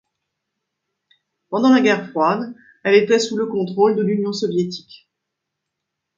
Pendant la guerre froide, elle était sous le contrôle de l'Union soviétique.